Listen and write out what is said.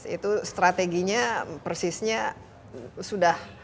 itu strateginya persisnya sudah